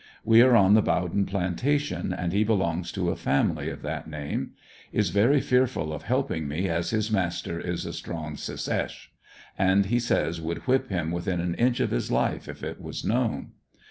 We are on the Bowden plantation and he belongs to a family of that name. Is very fearful of helping me as his master is a strong Secesh., and he says would whip him within an inch of his life if it was known.